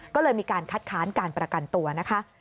ก็เลยมีการคัดค้านการประกันตัวนะคะ